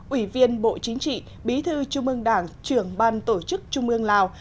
ủy viên bộ chính trị bí thư trung ương đảng trưởng ban tổ chức trung ương lào